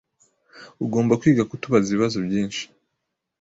Ugomba kwiga kutabaza ibibazo byinshi.